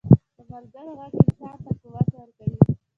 د ملګرو ږغ انسان ته قوت ورکوي.